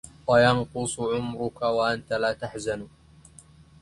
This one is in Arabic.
وَيَنْقُصُ عُمُرُك وَأَنْتَ لَا تَحْزَنُ